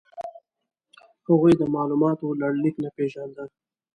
هغوی د مالوماتو لړلیک نه پېژانده.